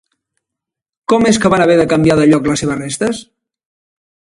Com és que van haver de canviar de lloc les seves restes?